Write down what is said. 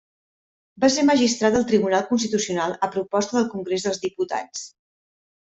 Va ser magistrat del Tribunal Constitucional a proposta del Congrés dels Diputats.